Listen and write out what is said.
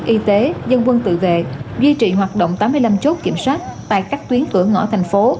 y tế dân quân tự vệ duy trì hoạt động tám mươi năm chốt kiểm soát tại các tuyến cửa ngõ thành phố